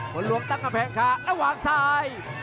ฝนหลวงตั้งกับแผงขาแล้ววางซ้าย